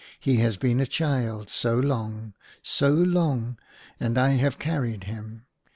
He has been a child so long, so long, I have carried him.